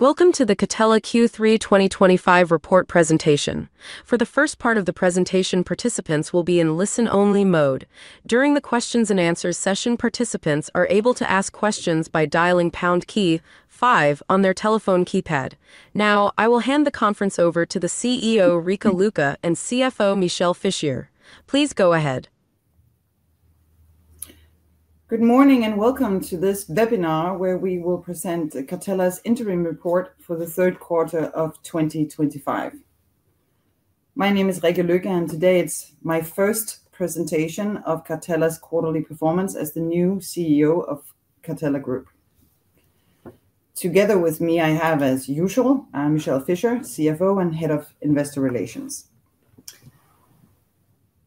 Welcome to the Catella Q3 2025 report presentation. For the first part of the presentation, participants will be in listen-only mode. During the questions-and-answers session, participants are able to ask questions by dialing pound key-five on their telephone keypad. Now, I will hand the conference over to the CEO, Rikke Lykke, and CFO, Michel Fischier. Please go ahead. Good morning and welcome to this webinar where we will present Catella's interim report for the third quarter of 2025. My name is Rikke Lykke, and today it's my first presentation of Catella's quarterly performance as the new CEO of Catella Group. Together with me, I have, as usual, Michel Fischier, CFO, and head of investor relations.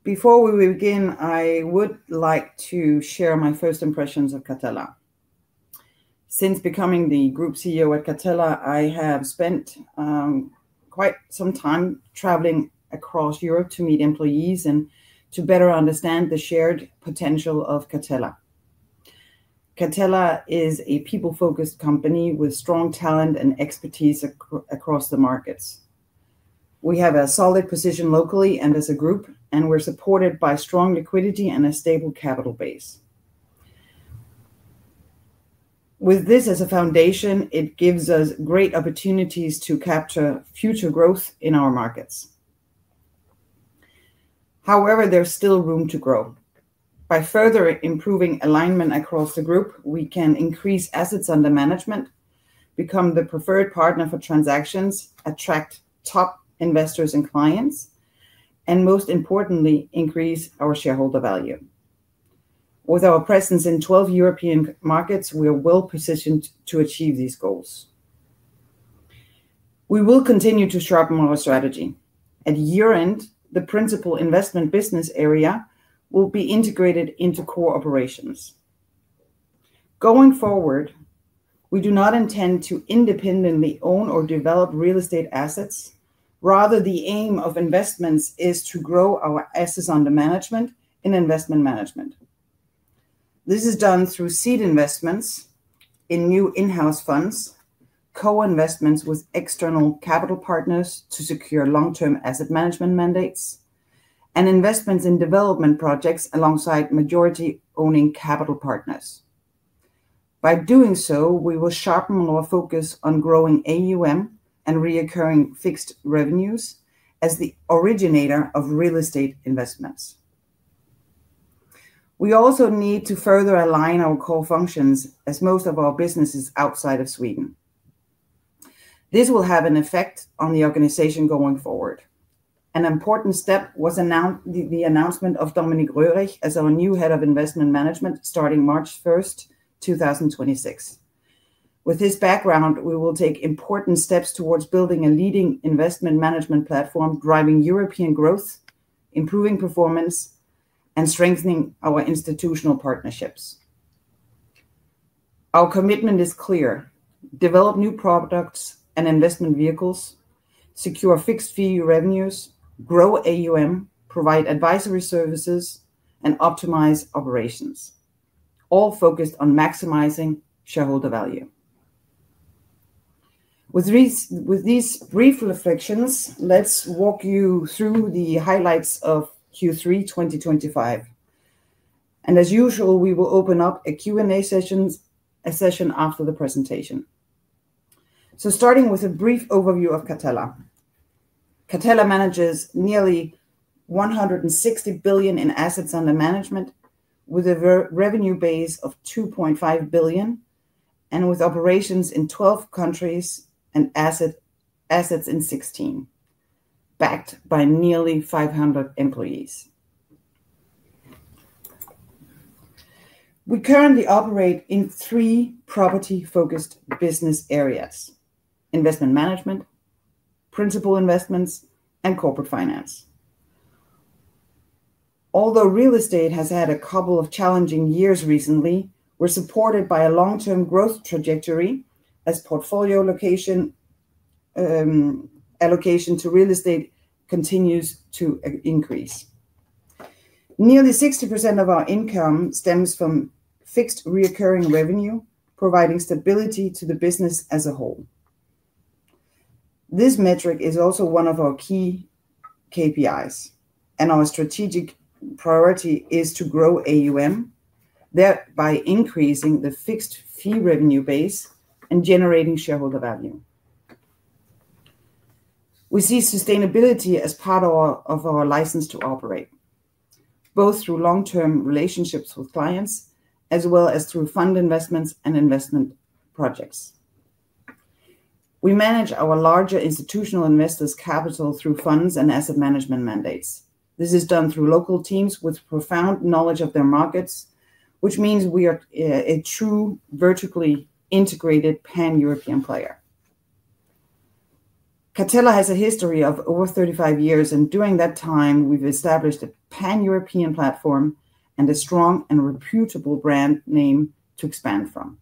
Before we begin, I would like to share my first impressions of Catella. Since becoming the Group CEO at Catella, I have spent quite some time traveling across Europe to meet employees and to better understand the shared potential of Catella. Catella is a people-focused company with strong talent and expertise across the markets. We have a solid position locally and as a group, and we're supported by strong liquidity and a stable capital base. With this as a foundation, it gives us great opportunities to capture future growth in our markets. However, there's still room to grow. By further improving alignment across the group, we can increase assets under management, become the preferred partner for transactions, attract top investors and clients, and most importantly, increase our shareholder value. With our presence in 12 European markets, we are well positioned to achieve these goals. We will continue to sharpen our strategy. At year-end, the principal investment business area will be integrated into core operations. Going forward, we do not intend to independently own or develop real estate assets. Rather, the aim of investments is to grow our assets under management in Investment Management. This is done through seed investments in new in-house funds, co-investments with external capital partners to secure long-term asset management mandates, and investments in development projects alongside majority-owning capital partners. By doing so, we will sharpen our focus on growing AUM and recurring fixed revenues as the originator of real estate investments. We also need to further align our core functions as most of our business is outside of Sweden. This will have an effect on the organization going forward. An important step was the announcement of Dominik Röhrich as our new Head of Investment Management starting March 1, 2026. With this background, we will take important steps towards building a leading Investment Management platform driving European growth, improving performance, and strengthening our institutional partnerships. Our commitment is clear: develop new products and investment vehicles, secure fixed fee revenues, grow AUM, provide advisory services, and optimize operations, all focused on maximizing shareholder value. With these brief reflections, let's walk you through the highlights of Q3 2025. As usual, we will open up a Q&A session after the presentation. Starting with a brief overview of Catella, Catella manages nearly 160 billion in assets under management, with a revenue base of 2.5 billion and with operations in 12 countries and assets in 16, backed by nearly 500 employees. We currently operate in three property-focused business areas: Investment Management, Principal Investments, and Corporate Finance. Although real estate has had a couple of challenging years recently, we're supported by a long-term growth trajectory as portfolio allocation to real estate continues to increase. Nearly 60% of our income stems from fixed recurring revenue, providing stability to the business as a whole. This metric is also one of our key KPIs, and our strategic priority is to grow AUM, thereby increasing the fixed fee revenue base and generating shareholder value. We see sustainability as part of our license to operate, both through long-term relationships with clients as well as through fund investments and investment projects. We manage our larger institutional investors' capital through funds and asset management mandates. This is done through local teams with profound knowledge of their markets, which means we are a true vertically integrated pan-European player. Catella has a history of over 35 years, and during that time, we've established a pan-European platform and a strong and reputable brand name to expand from.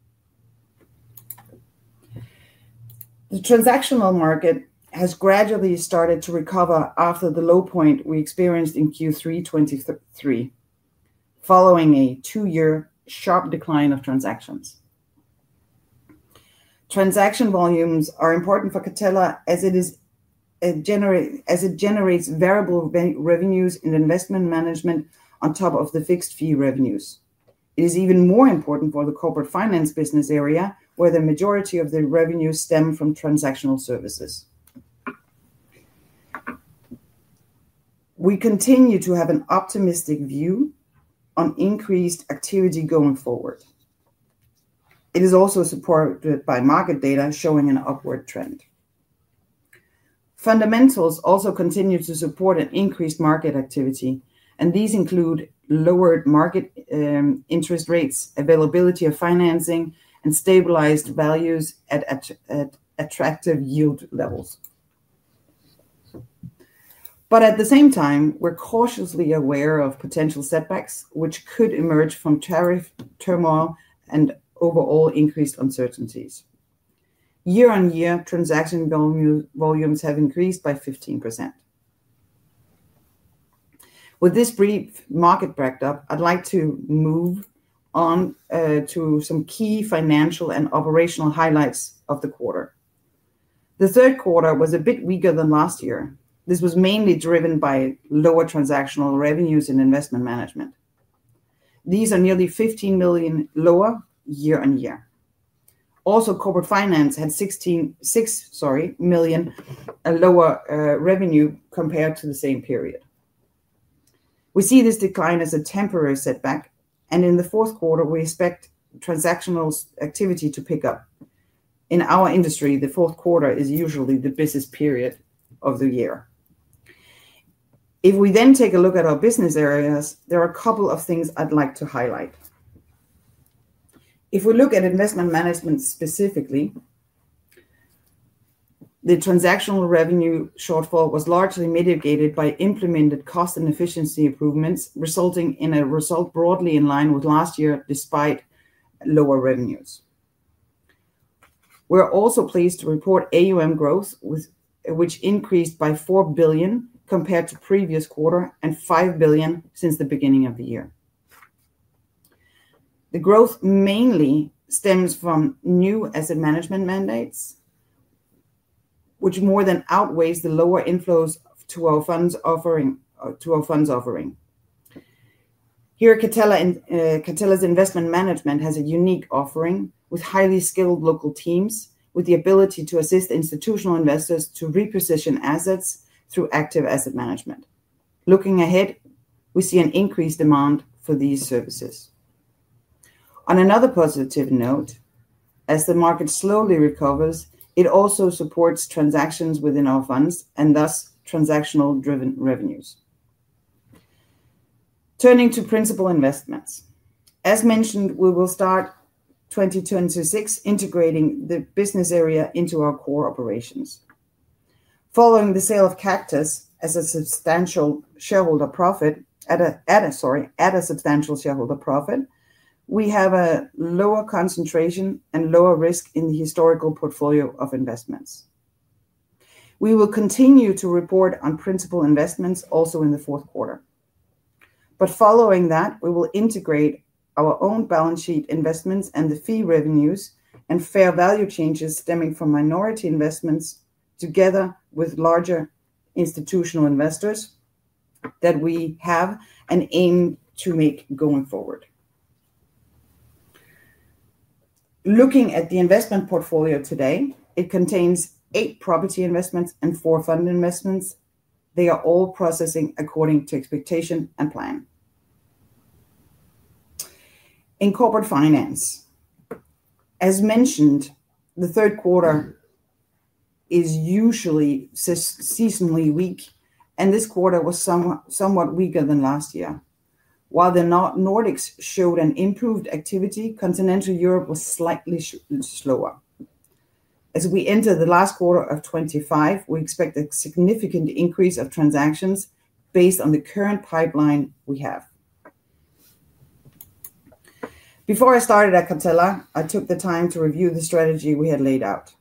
The transactional market has gradually started to recover after the low point we experienced in Q3 2023, following a two-year sharp decline of transactions. Transaction volumes are important for Catella as it generates variable revenues in Investment Management on top of the fixed fee revenues. It is even more important for the Corporate Finance business area, where the majority of the revenues stem from transactional services. We continue to have an optimistic view on increased activity going forward. It is also supported by market data showing an upward trend. Fundamentals also continue to support an increased market activity, and these include lowered market interest rates, availability of financing, and stabilized values at attractive yield levels. At the same time, we're cautiously aware of potential setbacks which could emerge from tariff turmoil and overall increased uncertainties. Year-on-year, transaction volumes have increased by 15%. With this brief market backdrop, I'd like to move on to some key financial and operational highlights of the quarter. The third quarter was a bit weaker than last year. This was mainly driven by lower transactional revenues in Investment Management. These are nearly 15 million lower year-on-year. Also, Corporate Finance had 6 million lower revenue compared to the same period. We see this decline as a temporary setback, and in the fourth quarter, we expect transactional activity to pick up. In our industry, the fourth quarter is usually the busy period of the year. If we then take a look at our business areas, there are a couple of things I'd like to highlight. If we look at Investment Management specifically, the transactional revenue shortfall was largely mitigated by implemented cost and efficiency improvements, resulting in a result broadly in line with last year despite lower revenues. We're also pleased to report AUM growth, which increased by 4 billion compared to the previous quarter and 5 billion since the beginning of the year. The growth mainly stems from new asset management mandates, which more than outweighs the lower inflows to our funds offering. Here, Catella's Investment Management has a unique offering with highly skilled local teams, with the ability to assist institutional investors to reposition assets through active asset management. Looking ahead, we see an increased demand for these services. On another positive note, as the market slowly recovers, it also supports transactions within our funds and thus transactional-driven revenues. Turning to Principal Investments, as mentioned, we will start 2026 integrating the business area into our core operations. Following the sale of Catella as a substantial shareholder profit, we have a lower concentration and lower risk in the historical portfolio of investments. We will continue to report on Principal Investments also in the fourth quarter. Following that, we will integrate our own balance sheet investments and the fee revenues and fair value changes stemming from minority investments together with larger institutional investors that we have and aim to make going forward. Looking at the investment portfolio today, it contains eight property investments and four fund investments. They are all processing according to expectation and plan. In Corporate Finance, as mentioned, the third quarter is usually seasonally weak, and this quarter was somewhat weaker than last year. While the Nordics showed an improved activity, continental Europe was slightly slower. As we enter the last quarter of 2025, we expect a significant increase of transactions based on the current pipeline we have. Before I started at Catella, I took the time to review the strategy we had laid out.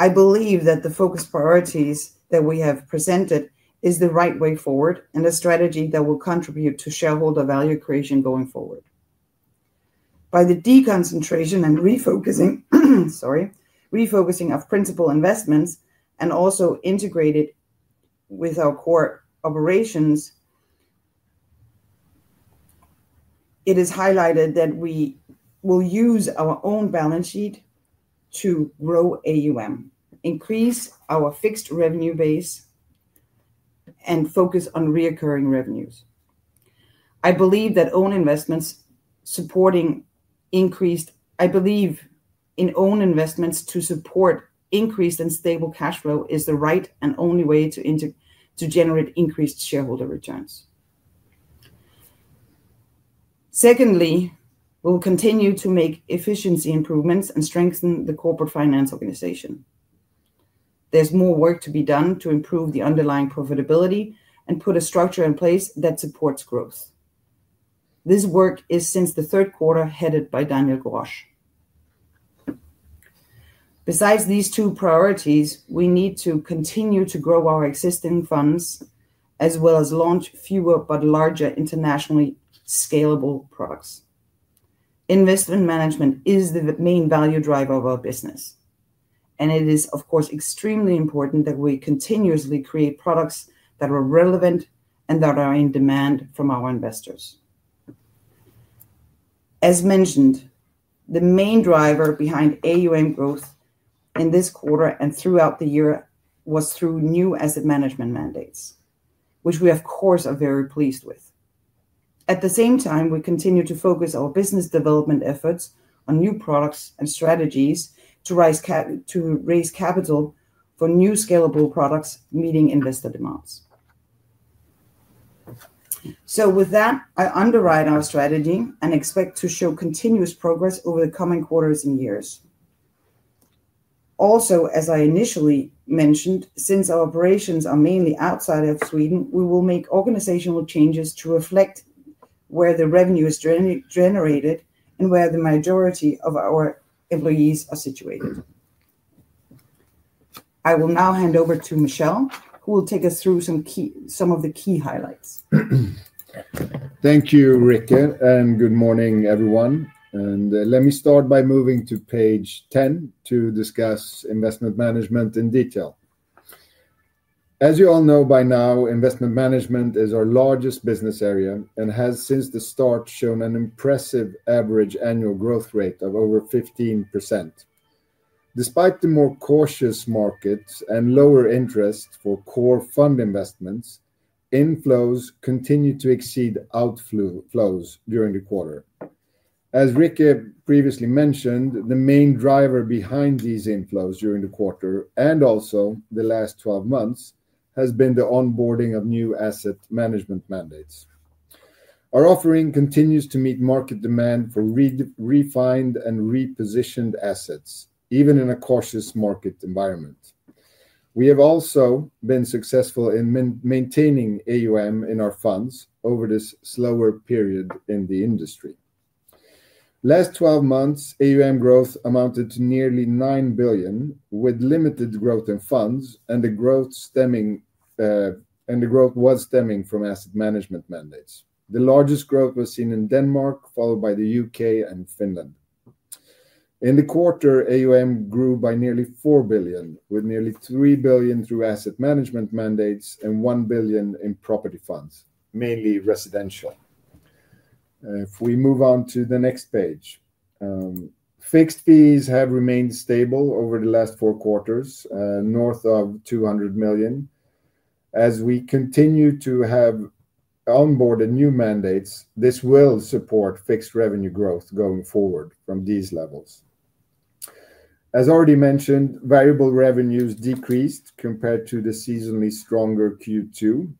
I believe that the focus priorities that we have presented are the right way forward and a strategy that will contribute to shareholder value creation going forward. By the deconcentration and refocusing of Principal Investments and also integrated with our core operations, it is highlighted that we will use our own balance sheet to grow AUM, increase our fixed revenue base, and focus on recurring revenues. I believe that own investments supporting increased—I believe in own investments to support increased and stable cash flow is the right and only way to generate increased shareholder returns. Secondly, we will continue to make efficiency improvements and strengthen the Corporate Finance organization. There is more work to be done to improve the underlying profitability and put a structure in place that supports growth. This work is, since the third quarter, headed by Daniel Gorosch. Besides these two priorities, we need to continue to grow our existing funds as well as launch fewer but larger internationally scalable products. Investment Management is the main value driver of our business, and it is, of course, extremely important that we continuously create products that are relevant and that are in demand from our investors. As mentioned, the main driver behind AUM growth in this quarter and throughout the year was through new asset management mandates, which we, of course, are very pleased with. At the same time, we continue to focus our business development efforts on new products and strategies to raise capital for new scalable products meeting investor demands. With that, I underwrite our strategy and expect to show continuous progress over the coming quarters and years. Also, as I initially mentioned, since our operations are mainly outside of Sweden, we will make organizational changes to reflect where the revenue is generated and where the majority of our employees are situated. I will now hand over to Michel, who will take us through some of the key highlights. Thank you, Rikke, and good morning, everyone. Let me start by moving to page 10 to discuss Investment Management in detail. As you all know by now, Investment Management is our largest business area and has, since the start, shown an impressive average annual growth rate of over 15%. Despite the more cautious markets and lower interest for core fund investments, inflows continue to exceed outflows during the quarter. As Rikke previously mentioned, the main driver behind these inflows during the quarter and also the last 12 months has been the onboarding of new asset management mandates. Our offering continues to meet market demand for refined and repositioned assets, even in a cautious market environment. We have also been successful in maintaining AUM in our funds over this slower period in the industry. Last 12 months, AUM growth amounted to nearly 9 billion, with limited growth in funds and the growth was stemming from asset management mandates. The largest growth was seen in Denmark, followed by the U.K. and Finland. In the quarter, AUM grew by nearly 4 billion, with nearly 3 billion through asset management mandates and 1 billion in property funds, mainly residential. If we move on to the next page, fixed fees have remained stable over the last four quarters, north of 200 million. As we continue to have onboarded new mandates, this will support fixed revenue growth going forward from these levels. As already mentioned, variable revenues decreased compared to the seasonally stronger Q2.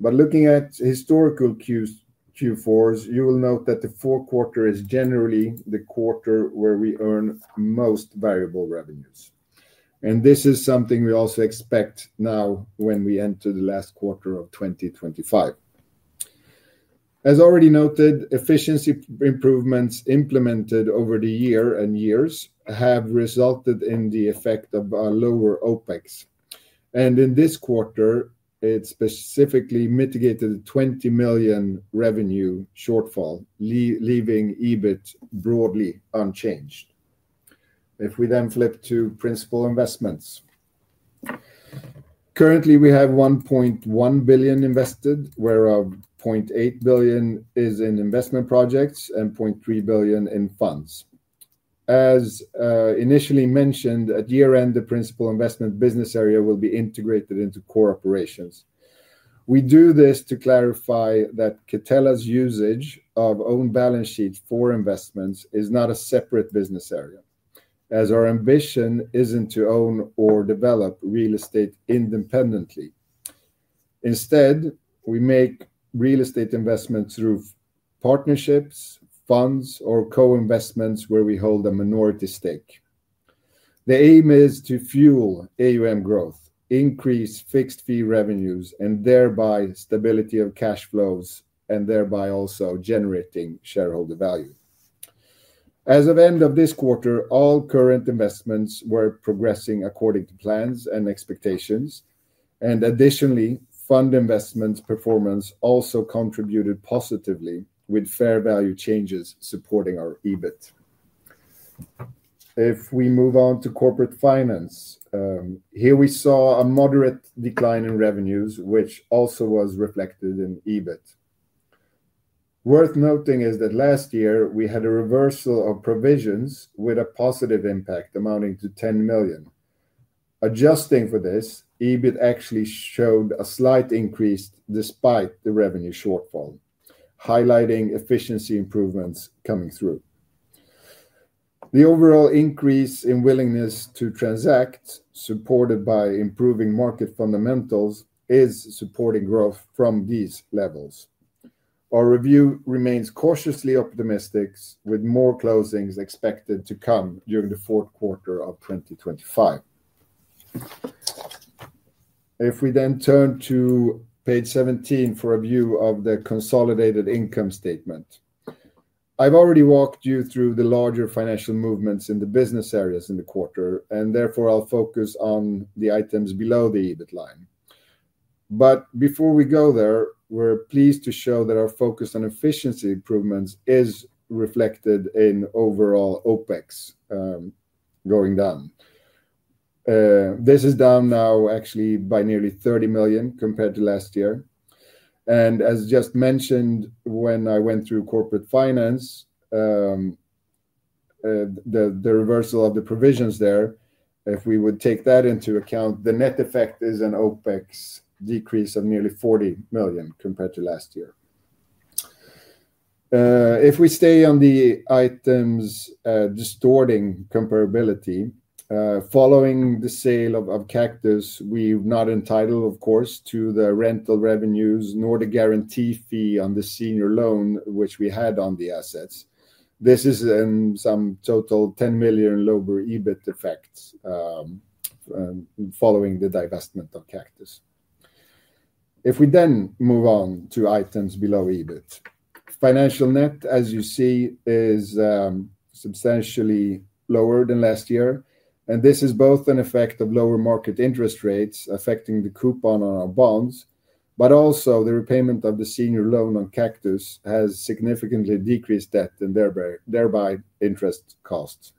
Looking at historical Q4s, you will note that the fourth quarter is generally the quarter where we earn most variable revenues. This is something we also expect now when we enter the last quarter of 2025. As already noted, efficiency improvements implemented over the year and years have resulted in the effect of a lower OpEx. In this quarter, it specifically mitigated the 20 million revenue shortfall, leaving EBIT broadly unchanged. If we then flip to Principal Investments, currently we have 1.1 billion invested, where 0.8 billion is in investment projects and 0.3 billion in funds. As initially mentioned, at year-end, the principal investment business area will be integrated into core operations. We do this to clarify that Catella's usage of own balance sheet for investments is not a separate business area, as our ambition is not to own or develop real estate independently. Instead, we make real estate investments through partnerships, funds, or co-investments where we hold a minority stake. The aim is to fuel AUM growth, increase fixed fee revenues, and thereby stability of cash flows, and thereby also generating shareholder value. As of the end of this quarter, all current investments were progressing according to plans and expectations. Additionally, fund investments' performance also contributed positively, with fair value changes supporting our EBIT. If we move on to Corporate Finance, here we saw a moderate decline in revenues, which also was reflected in EBIT. Worth noting is that last year, we had a reversal of provisions with a positive impact amounting to 10 million. Adjusting for this, EBIT actually showed a slight increase despite the revenue shortfall, highlighting efficiency improvements coming through. The overall increase in willingness to transact, supported by improving market fundamentals, is supporting growth from these levels. Our review remains cautiously optimistic, with more closings expected to come during the fourth quarter of 2025. If we then turn to page 17 for a view of the consolidated income statement, I've already walked you through the larger financial movements in the business areas in the quarter, and therefore I'll focus on the items below the EBIT line. Before we go there, we're pleased to show that our focus on efficiency improvements is reflected in overall OpEx going down. This is down now actually by nearly 30 million compared to last year. As just mentioned, when I went through Corporate Finance, the reversal of the provisions there, if we would take that into account, the net effect is an OpEx decrease of nearly 40 million compared to last year. If we stay on the items distorting comparability, following the sale of Catella, we're not entitled, of course, to the rental revenues nor the guarantee fee on the senior loan, which we had on the assets. This is in some total 10 million lower EBIT effect following the divestment of Catella. If we then move on to items below EBIT, financial net, as you see, is substantially lower than last year. This is both an effect of lower market interest rates affecting the coupon on our bonds, but also the repayment of the senior loan on Catella has significantly decreased debt and thereby interest costs.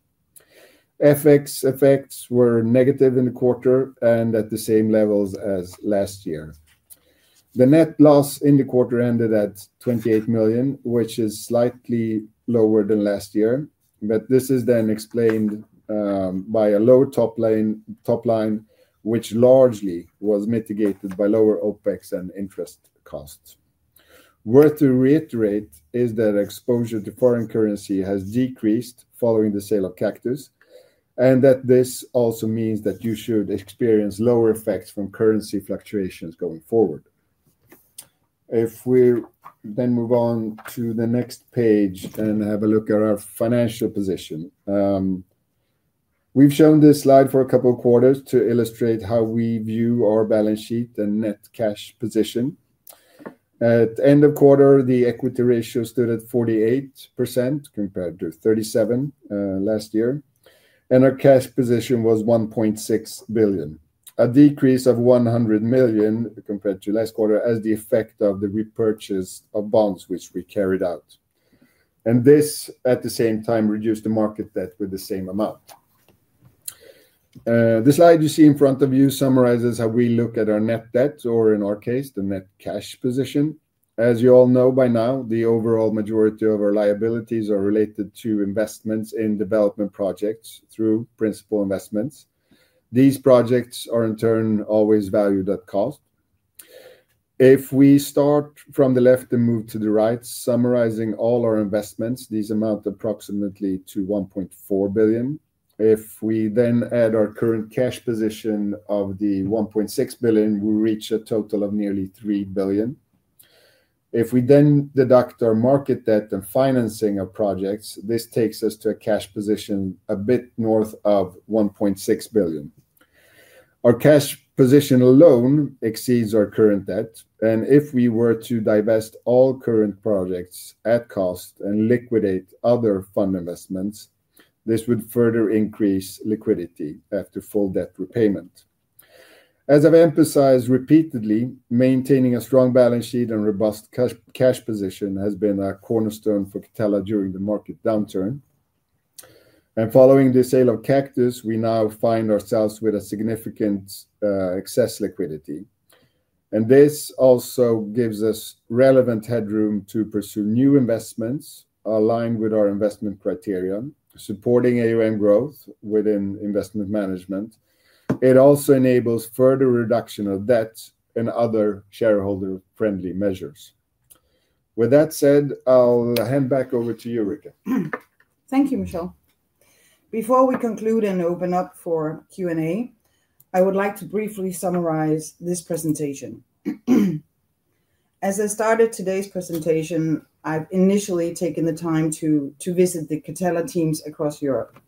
FX effects were negative in the quarter and at the same levels as last year. The net loss in the quarter ended at 28 million, which is slightly lower than last year. This is then explained by a low top line, which largely was mitigated by lower OpEx and interest costs. Worth to reiterate is that exposure to foreign currency has decreased following the sale of Catella, and that this also means that you should experience lower effects from currency fluctuations going forward. If we then move on to the next page and have a look at our financial position, we've shown this slide for a couple of quarters to illustrate how we view our balance sheet and net cash position. At the end of quarter, the equity ratio stood at 48% compared to 37% last year, and our cash position was 1.6 billion, a decrease of 100 million compared to last quarter as the effect of the repurchase of bonds, which we carried out. This, at the same time, reduced the market debt with the same amount. The slide you see in front of you summarizes how we look at our net debt, or in our case, the net cash position. As you all know by now, the overall majority of our liabilities are related to investments in development projects through Principal Investments. These projects are, in turn, always valued at cost. If we start from the left and move to the right, summarizing all our investments, these amount approximately to 1.4 billion. If we then add our current cash position of 1.6 billion, we reach a total of nearly 3 billion. If we then deduct our market debt and financing of projects, this takes us to a cash position a bit north of 1.6 billion. Our cash position alone exceeds our current debt. If we were to divest all current projects at cost and liquidate other fund investments, this would further increase liquidity after full debt repayment. As I've emphasized repeatedly, maintaining a strong balance sheet and robust cash position has been a cornerstone for Catella during the market downturn. Following the sale of Catella, we now find ourselves with significant excess liquidity. This also gives us relevant headroom to pursue new investments aligned with our investment criteria, supporting AUM growth within Investment Management. It also enables further reduction of debt and other shareholder-friendly measures. With that said, I'll hand back over to you, Rikke. Thank you, Michel. Before we conclude and open up for Q&A, I would like to briefly summarize this presentation. As I started today's presentation, I've initially taken the time to visit the Catella teams across Europe.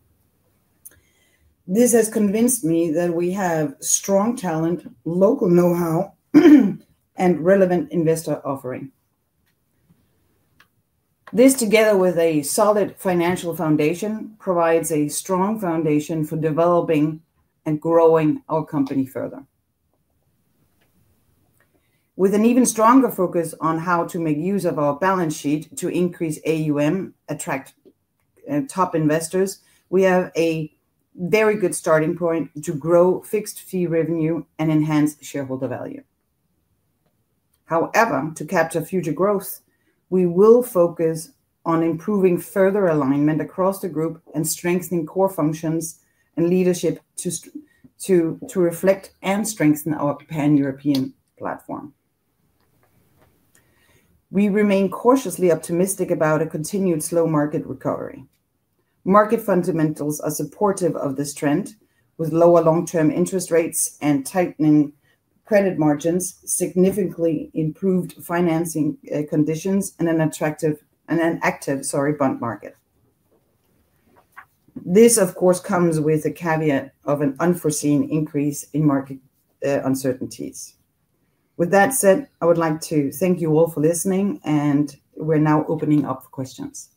This has convinced me that we have strong talent, local know-how, and relevant investor offering. This, together with a solid financial foundation, provides a strong foundation for developing and growing our company further. With an even stronger focus on how to make use of our balance sheet to increase AUM, attract top investors, we have a very good starting point to grow fixed fee revenue and enhance shareholder value. However, to capture future growth, we will focus on improving further alignment across the group and strengthening core functions and leadership to reflect and strengthen our pan-European platform. We remain cautiously optimistic about a continued slow market recovery. Market fundamentals are supportive of this trend, with lower long-term interest rates and tightening credit margins significantly improved financing conditions and an active bond market. This, of course, comes with the caveat of an unforeseen increase in market uncertainties. With that said, I would like to thank you all for listening, and we're now opening up for questions.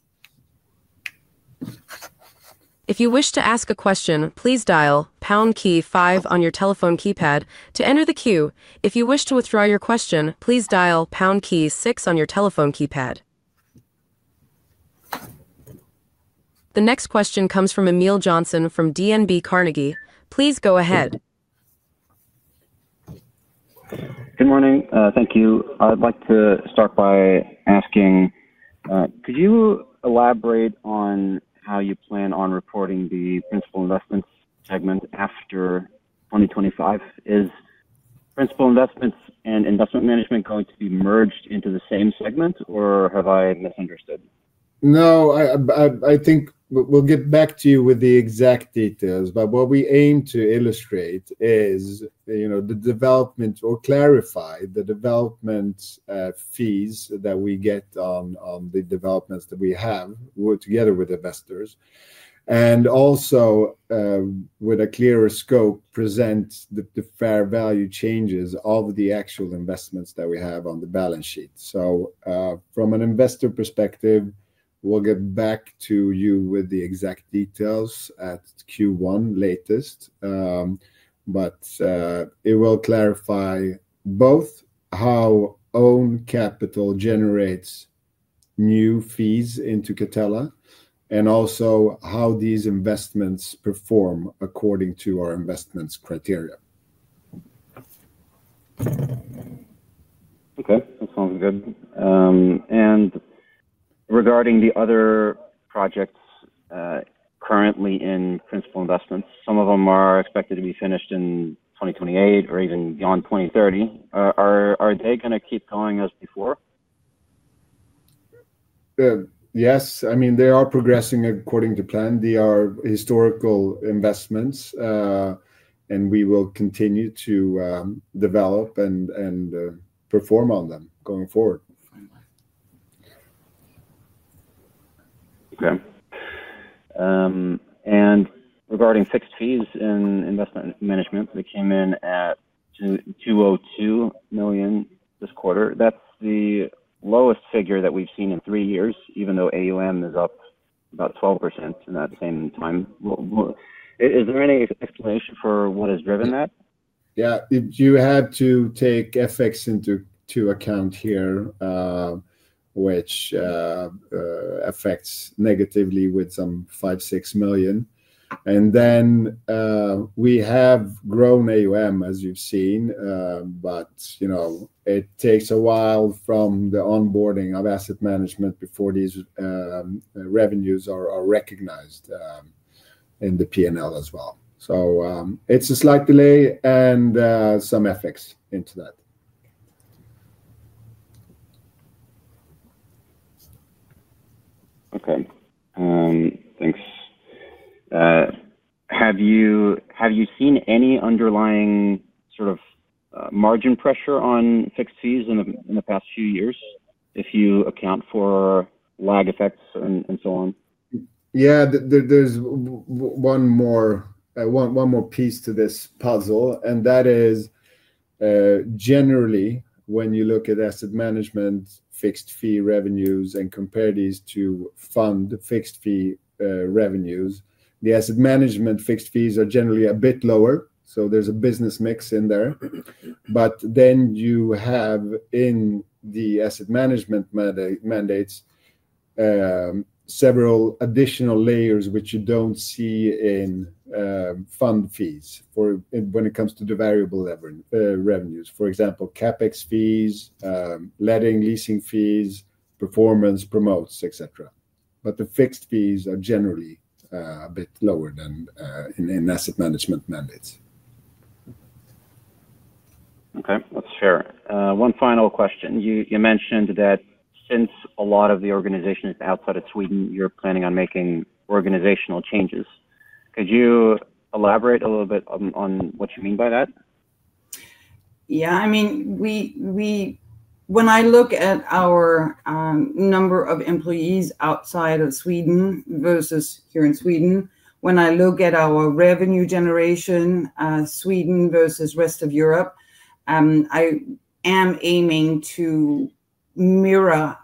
If you wish to ask a question, please dial pound-key five on your telephone keypad to enter the queue. If you wish to withdraw your question, please dial pound-key six on your telephone keypad. The next question comes from Emil Jonsson from DNB Carnegie. Please go ahead. Good morning. Thank you. I'd like to start by asking, could you elaborate on how you plan on reporting the Principal Investments segment after 2025? Is Principal Investments and Investment Management going to be merged into the same segment, or have I misunderstood? No, I think we'll get back to you with the exact details. What we aim to illustrate is the development or clarify the development fees that we get on the developments that we have together with investors. Also, with a clearer scope, present the fair value changes of the actual investments that we have on the balance sheet. From an investor perspective, we will get back to you with the exact details at Q1 latest. It will clarify both how own capital generates new fees into Catella and also how these investments perform according to our investment criteria. Okay, that sounds good. Regarding the other projects currently in Principal Investments, some of them are expected to be finished in 2028 or even beyond 2030. Are they going to keep going as before? Yes. I mean, they are progressing according to plan. They are historical investments, and we will continue to develop and perform on them going forward. Okay. Regarding fixed fees in Investment Management, they came in at 202 million this quarter. That's the lowest figure that we've seen in three years, even though AUM is up about 12% in that same time. Is there any explanation for what has driven that? Yeah, you had to take FX into account here, which affects negatively with some 5-6 million. And then we have grown AUM, as you've seen, but it takes a while from the onboarding of asset management before these revenues are recognized in the P&L as well. It is a slight delay and some FX into that. Okay. Thanks. Have you seen any underlying sort of margin pressure on fixed fees in the past few years if you account for lag effects and so on? Yeah, there's one more piece to this puzzle, and that is generally, when you look at asset management, fixed fee revenues, and compare these to fund fixed fee revenues, the asset management fixed fees are generally a bit lower. So there's a business mix in there. Then you have in the asset management mandates several additional layers which you do not see in fund fees when it comes to the variable revenues. For example, CapEx fees, letting, leasing fees, performance, promotes, etc. The fixed fees are generally a bit lower than in asset management mandates. Okay, that's fair. One final question. You mentioned that since a lot of the organization is outside of Sweden, you're planning on making organizational changes. Could you elaborate a little bit on what you mean by that? Yeah, I mean, when I look at our number of employees outside of Sweden versus here in Sweden, when I look at our revenue generation, Sweden versus rest of Europe, I am aiming to mirror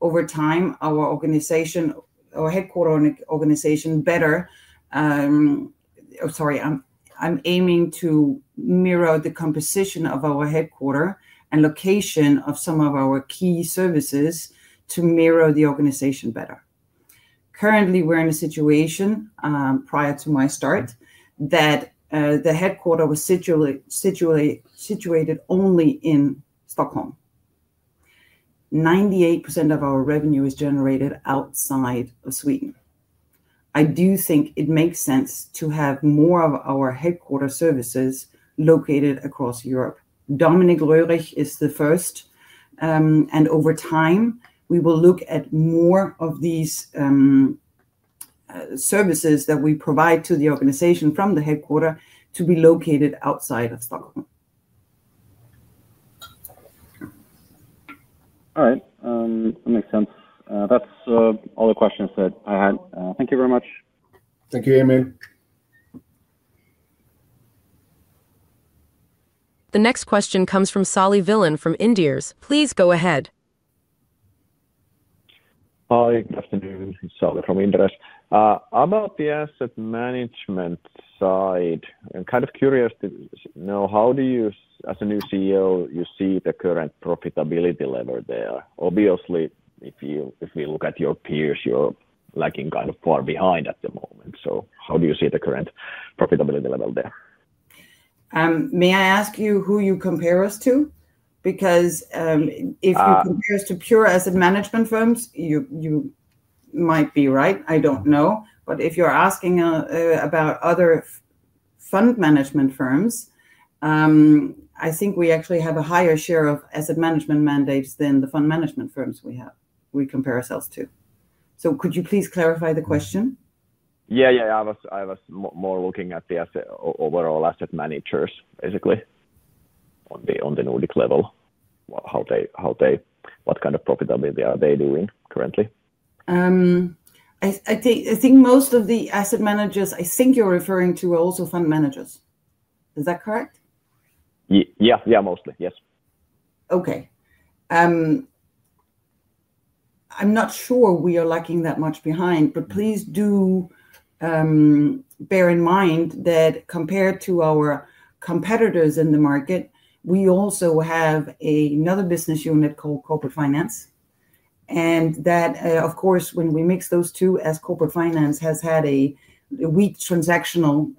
over time our organization, our headquarter organization better. Sorry, I'm aiming to mirror the composition of our headquarter and location of some of our key services to mirror the organization better. Currently, we're in a situation prior to my start that the headquarter was situated only in Stockholm. 98% of our revenue is generated outside of Sweden. I do think it makes sense to have more of our headquarter services located across Europe. Dominik Röhrich is the first. Over time, we will look at more of these services that we provide to the organization from the headquarter to be located outside of Stockholm. All right. That makes sense. That's all the questions that I had. Thank you very much. Thank you, Emil. The next question comes from Sauli Vilén from Inderes. Please go ahead. Hi, good afternoon. Sauli from Inderes. I'm on the asset management side. I'm kind of curious to know how do you, as a new CEO, see the current profitability level there? Obviously, if we look at your peers, you're lagging kind of far behind at the moment. How do you see the current profitability level there? May I ask you who you compare us to? Because if you compare us to pure asset management firms, you might be right. I don't know. If you're asking about other fund management firms, I think we actually have a higher share of asset management mandates than the fund management firms we compare ourselves to. Could you please clarify the question? Yeah, yeah, yeah. I was more looking at the overall asset managers, basically, on the Nordic level. What kind of profitability are they doing currently? I think most of the asset managers, I think you're referring to are also fund managers. Is that correct? Yeah, yeah, mostly. Yes. Okay. I'm not sure we are lagging that much behind, but please do bear in mind that compared to our competitors in the market, we also have another business unit called Corporate Finance. And that, of course, when we mix those two as Corporate Finance has had a weak transactional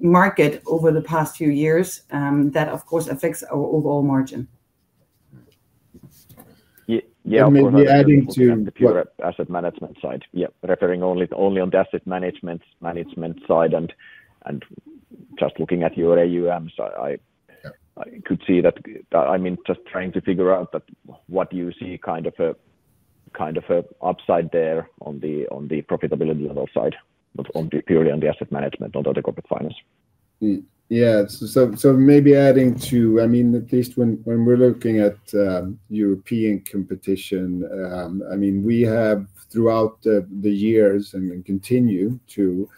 market over the past few years, that, of course, affects our overall margin. Yeah, maybe adding to the pure asset management side. Yeah, referring only on the asset management side and just looking at your AUMs, I could see that, I mean, just trying to figure out what you see kind of an upside there on the profitability level side, purely on the asset management, not on the Corporate Finance. Yeah. Maybe adding to, I mean, at least when we're looking at European competition, I mean, we have throughout the years and continue to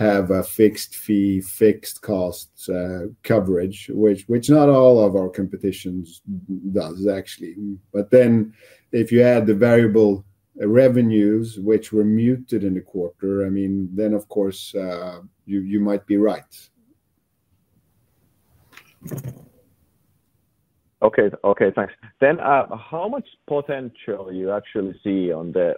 have a fixed fee, fixed costs coverage, which not all of our competition does, actually. If you add the variable revenues, which were muted in the quarter, I mean, then, of course, you might be right. Okay, okay, thanks. How much potential do you actually see on the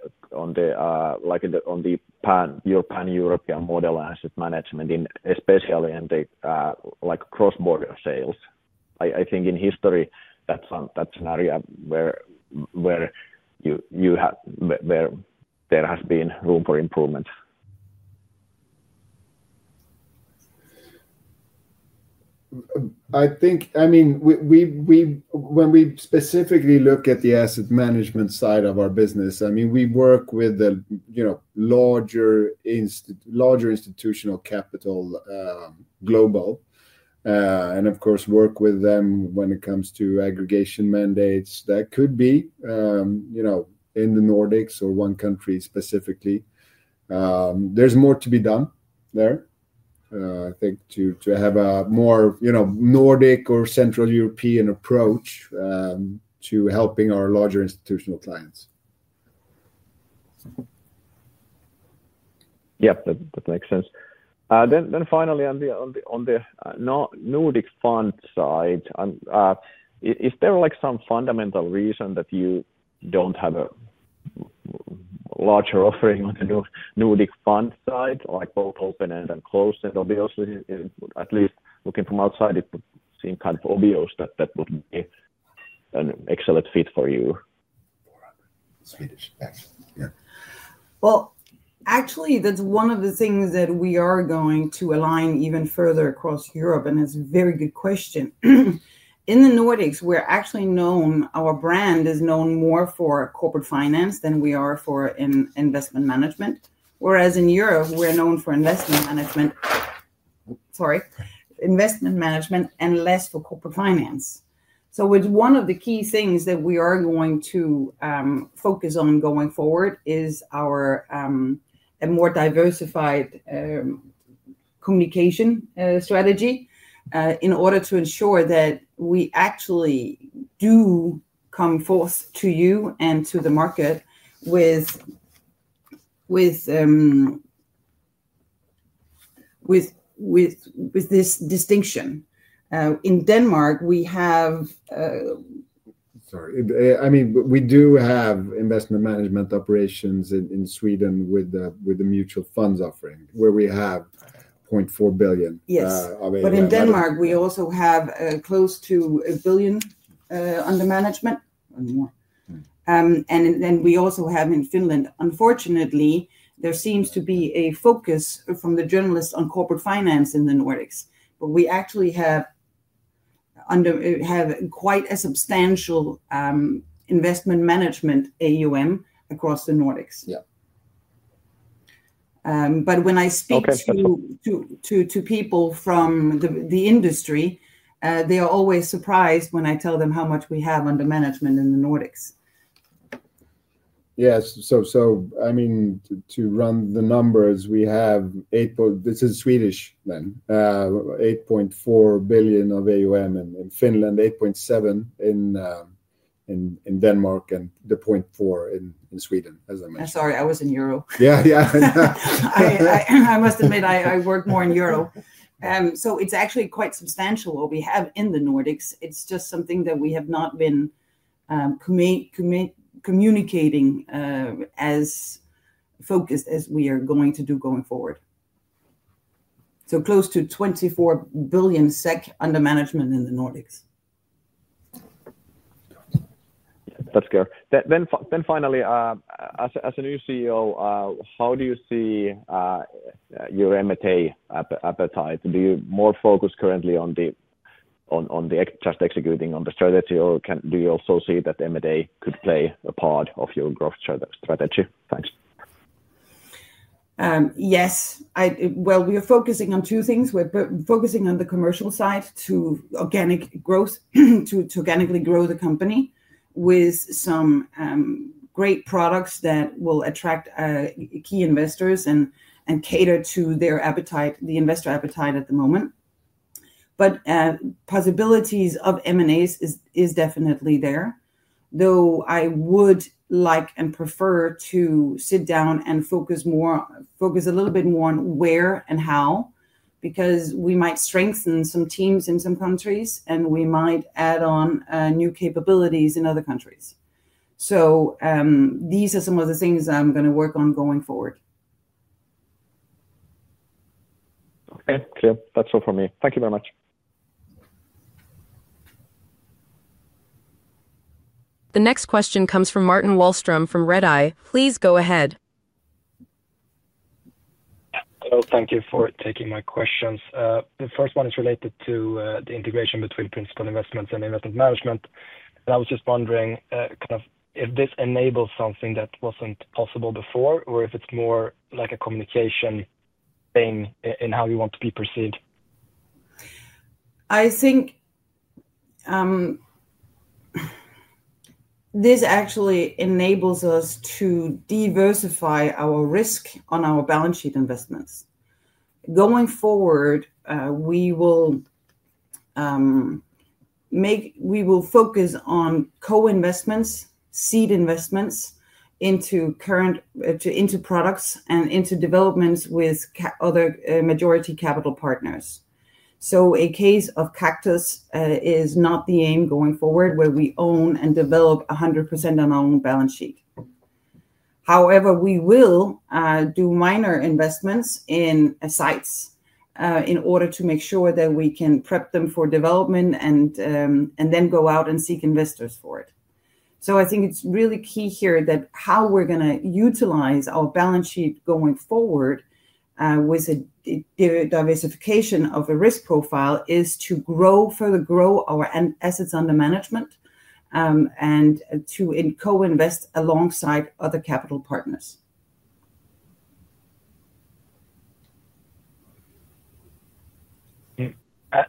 pan-European model asset management, especially in the cross-border sales? I think in history, that's an area where there has been room for improvement. I mean, when we specifically look at the asset management side of our business, I mean, we work with the larger institutional capital global and, of course, work with them when it comes to aggregation mandates that could be in the Nordics or one country specifically. There is more to be done there, I think, to have a more Nordic or Central European approach to helping our larger institutional clients. Yeah, that makes sense. Finally, on the Nordic fund side, is there some fundamental reason that you do not have a larger offering on the Nordic fund side, like both open-end and closed-end? Obviously, at least looking from outside, it would seem kind of obvious that that would be an excellent fit for you. Actually, that is one of the things that we are going to align even further across Europe, and it is a very good question. In the Nordics, we're actually known, our brand is known more for Corporate Finance than we are for Investment Management. Whereas in Europe, we're known for Investment Management, sorry, Investment Management and less for Corporate Finance. One of the key things that we are going to focus on going forward is a more diversified communication strategy in order to ensure that we actually do come forth to you and to the market with this distinction. In Denmark, we have. Sorry. I mean, we do have Investment Management operations in Sweden with a mutual funds offering where we have 0.4 billion of AUM. Yes. In Denmark, we also have close to 1 billion under management and more. We also have in Finland. Unfortunately, there seems to be a focus from the journalists on Corporate Finance in the Nordics. We actually have quite a substantial Investment Management AUM across the Nordics. When I speak to people from the industry, they are always surprised when I tell them how much we have under management in the Nordics. Yes. I mean, to run the numbers, we have—this is Swedish then—EUR 8.4 billion of AUM in Finland, 8.7 billion in Denmark, and 0.4 billion in Sweden, as I mentioned. Sorry, I was in Europe. Yeah, yeah. I must admit I worked more in Europe. It is actually quite substantial what we have in the Nordics. It is just something that we have not been communicating as focused as we are going to do going forward. Close to EUR 24 billion under management in the Nordics. That is good. Finally, as a new CEO, how do you see your M&A appetite? Do you more focus currently on the just executing on the strategy, or do you also see that M&A could play a part of your growth strategy? Thanks. Yes. We are focusing on two things. We're focusing on the commercial side to organically grow the company with some great products that will attract key investors and cater to their appetite, the investor appetite at the moment. Possibilities of M&As is definitely there, though I would like and prefer to sit down and focus a little bit more on where and how, because we might strengthen some teams in some countries, and we might add on new capabilities in other countries. These are some of the things I'm going to work on going forward. Okay, clear. That's all from me. Thank you very much. The next question comes from Martin Wahlström from Redeye. Please go ahead. Hello. Thank you for taking my questions. The first one is related to the integration between Principal Investments and Investment Management. I was just wondering kind of if this enables something that was not possible before or if it is more like a communication thing in how you want to be perceived. I think this actually enables us to diversify our risk on our balance sheet investments. Going forward, we will focus on co-investments, seed investments into products and into developments with other majority capital partners. A case of Kaktus is not the aim going forward where we own and develop 100% on our own balance sheet. However, we will do minor investments in sites in order to make sure that we can prep them for development and then go out and seek investors for it. I think it's really key here that how we're going to utilize our balance sheet going forward with a diversification of a risk profile is to further grow our assets under management and to co-invest alongside other capital partners.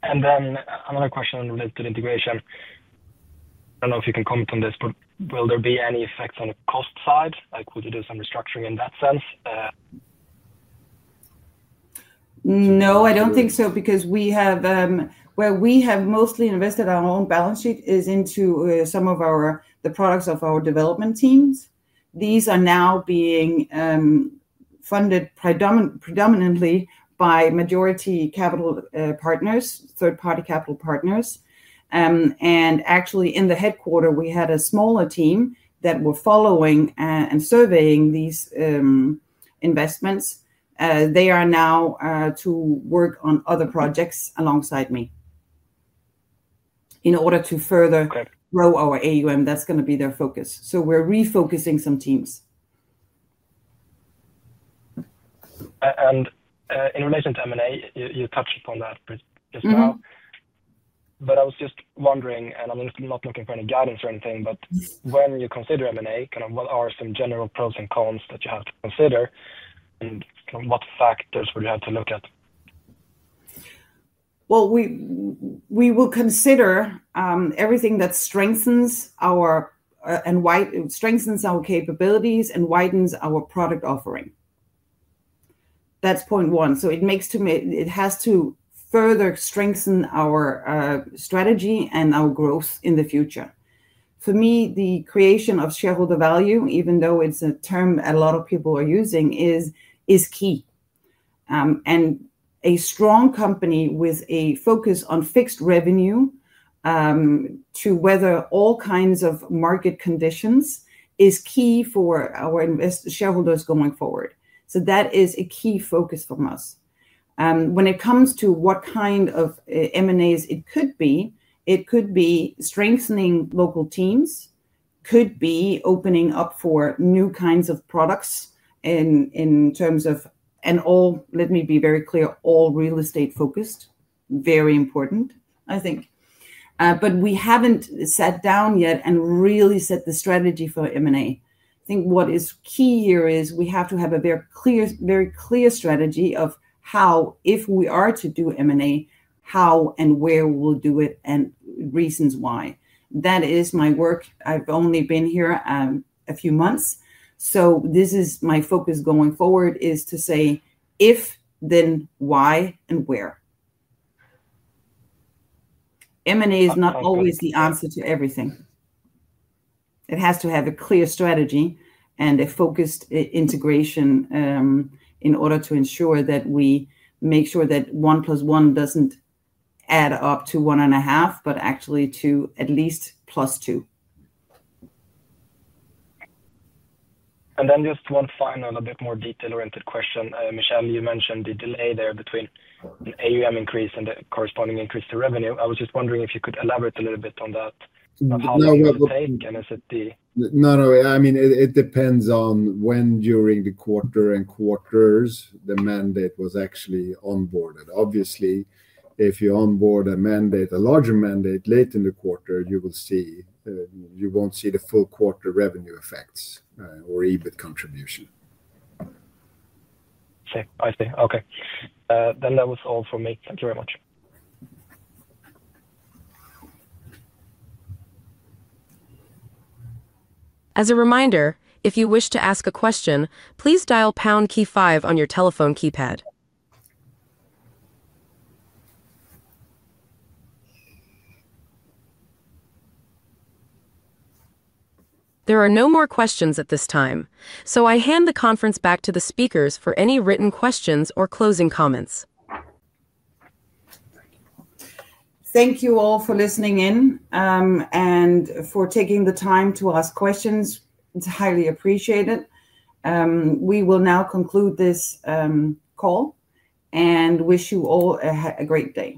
Another question related to integration. I don't know if you can comment on this, but will there be any effects on the cost side? Would you do some restructuring in that sense? No, I don't think so, because where we have mostly invested our own balance sheet is into some of the products of our development teams. These are now being funded predominantly by majority capital partners, third-party capital partners. Actually, in the headquarter, we had a smaller team that were following and surveying these investments. They are now to work on other projects alongside me in order to further grow our AUM. That's going to be their focus. We're refocusing some teams. In relation to M&A, you touched upon that as well. I was just wondering, and I'm not looking for any guidance or anything, but when you consider M&A, kind of what are some general pros and cons that you have to consider and what factors would you have to look at? We will consider everything that strengthens our capabilities and widens our product offering. That's point one. It has to further strengthen our strategy and our growth in the future. For me, the creation of shareholder value, even though it's a term a lot of people are using, is key. A strong company with a focus on fixed revenue to weather all kinds of market conditions is key for our shareholders going forward. That is a key focus from us. When it comes to what kind of M&As it could be, it could be strengthening local teams, could be opening up for new kinds of products in terms of, and let me be very clear, all real estate focused, very important, I think. We have not sat down yet and really set the strategy for M&A. I think what is key here is we have to have a very clear strategy of how, if we are to do M&A, how and where we will do it and reasons why. That is my work. I have only been here a few months. This is my focus going forward is to say, if, then why, and where. M&A is not always the answer to everything. It has to have a clear strategy and a focused integration in order to ensure that we make sure that one plus one does not add up to one and a half, but actually to at least plus two. Just one final, a bit more detail-oriented question. Michel, you mentioned the delay there between an AUM increase and the corresponding increase to revenue. I was just wondering if you could elaborate a little bit on that. How long it will take, and is it the. No, no. I mean, it depends on when during the quarter and quarters the mandate was actually onboarded. Obviously, if you onboard a mandate, a larger mandate late in the quarter, you will not see the full quarter revenue effects or EBIT contribution. I see. Okay. That was all for me. Thank you very much. As a reminder, if you wish to ask a question, please dial pound key five on your telephone keypad. There are no more questions at this time, so I hand the conference back to the speakers for any written questions or closing comments. Thank you all for listening in and for taking the time to ask questions. It's highly appreciated. We will now conclude this call and wish you all a great day.